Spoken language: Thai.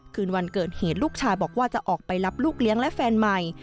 คืนวันเกิดเหตุลูกชายบอกว่าจะออกไปรับลูกเลี้ยงและแฟนใหม่